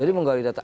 jadi menggali data